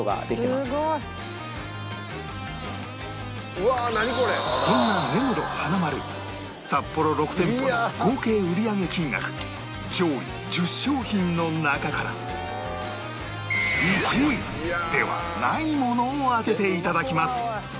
実際ここそんな根室花まる札幌６店舗の合計売上金額上位１０商品の中から１位ではないものを当てていただきます